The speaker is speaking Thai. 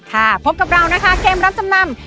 ค่ะพบกับเรานะคะเกมรับจำนำ